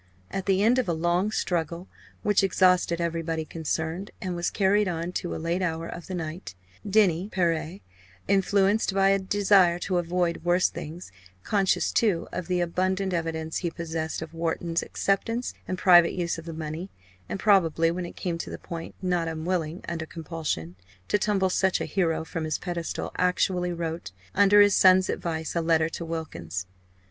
At the end of a long struggle, which exhausted everybody concerned, and was carried on to a late hour of the night, Denny père, influenced by a desire to avoid worse things conscious, too, of the abundant evidence he possessed of Wharton's acceptance and private use of the money and, probably, when it came to the point, not unwilling, under compulsion! to tumble such a hero from his pedestal, actually wrote, under his son's advice, a letter to Wilkins.